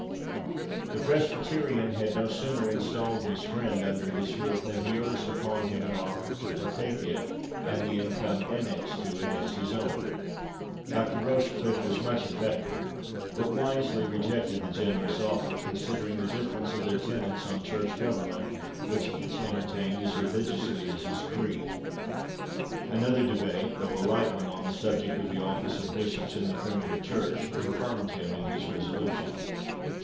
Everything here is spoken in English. The Presbyterian had no sooner installed his friend under his roof, than he urged upon him an offer to partake it, and the income annexed to it, as his own. Dr. Rochecliffe was much affected, but wisely rejected the generous offer, considering the difference of their tenets on Church government, which each entertained as religiously as his creed. Another debate, though a light one, on the subject of the office of Bishops in the Primitive Church, confirmed him in his resolution.